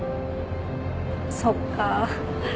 そっか。